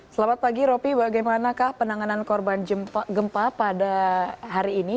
selamat pagi roby bagaimanakah penanganan korban gempa pada hari ini